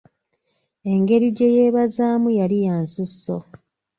Engeri gye yeebazaamu yali ya nsusso